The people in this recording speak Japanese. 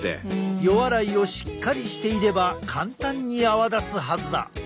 予洗いをしっかりしていれば簡単に泡立つはずだ。